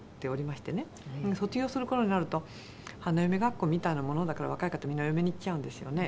卒業する頃になると花嫁学校みたいなものだから若い方みんなお嫁に行っちゃうんですよね。